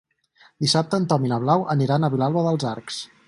Dissabte en Tom i na Blau aniran a Vilalba dels Arcs.